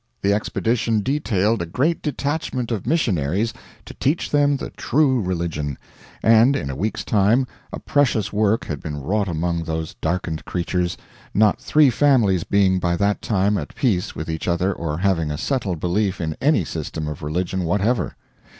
The expedition detailed a great detachment of missionaries to teach them the true religion, and in a week's time a precious work had been wrought among those darkened creatures, not three families being by that time at peace with each other or having a settled belief in any system of religion whatever.